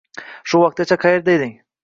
— Shu vaqtgacha qaerda eding?